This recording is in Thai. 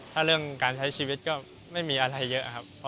ถ้าเรื่องการใช้ชีวิตก็ไม่มีอะไรเยอะครับ